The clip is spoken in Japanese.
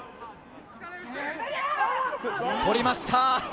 取りました！